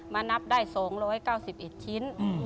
นับได้๒๙๑ชิ้น